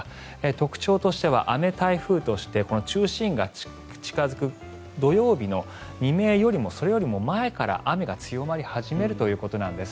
特徴としては雨台風としてこの中心が近付く土曜日の未明よりもそれよりも前から雨が強まり始めるということです。